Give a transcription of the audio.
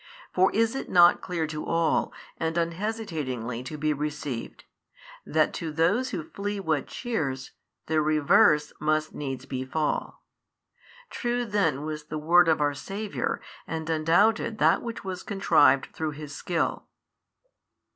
For is it not clear to all and unhesitatingly to be received, that to those who flee what cheers, the reverse: must needs befall? True then was the word of our Saviour and undoubted that which was contrived through His skill.